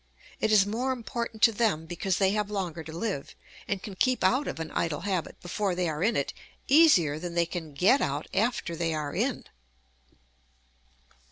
It is more important to them because they have longer to live, and can keep out of an idle habit before they are in it easier than they can get out after they are in.